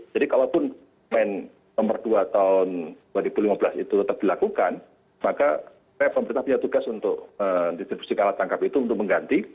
jadi kalau pun men nomor dua tahun dua ribu lima belas itu tetap dilakukan maka pemerintah punya tugas untuk distribusi alat tangkap itu untuk mengganti